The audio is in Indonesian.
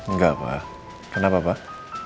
gak pak kenapa pak